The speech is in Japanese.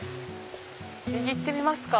右行ってみますか！